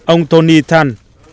ông tony tan